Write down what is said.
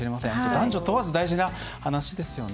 男女問わず大事な話ですよね。